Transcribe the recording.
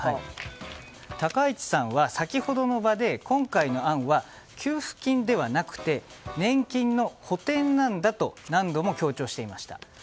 高市さんは先ほどの場で今回の案は給付金ではなくて年金の補てんなんだと何度も強調していました。